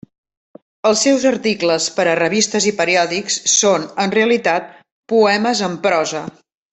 Els seus articles per a revistes i periòdics són, en realitat, poemes en prosa.